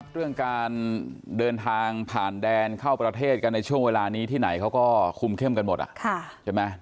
เรื่องการเดินทางผ่านแดนเข้าประเทศกันในช่วงเวลานี้ที่ไหนเขาก็คุมเข้มกันหมดใช่ไหม